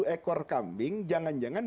satu ekor kambing jangan jangan